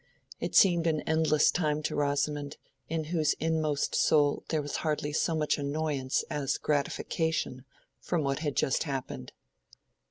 It seemed an endless time to Rosamond, in whose inmost soul there was hardly so much annoyance as gratification from what had just happened.